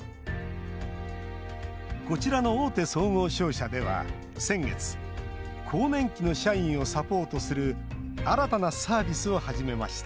こちらの大手総合商社では先月、更年期の社員をサポートする新たなサービスを始めました。